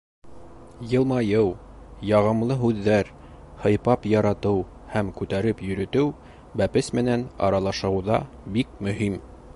Йылмайыу, яғымлы һүҙҙәр, һыйпап яратыу һәм күтәреп йөрөтөү бәпес менән аралашыуҙа бик мөһим.